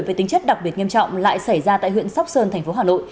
về tính chất đặc biệt nghiêm trọng lại xảy ra tại huyện sóc sơn thành phố hà nội